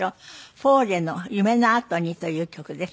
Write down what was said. フォーレの『夢のあとに』という曲です。